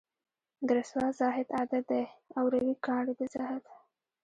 د رســــــوا زاهـــــد عـــــــادت دی اوروي کاڼي د زهد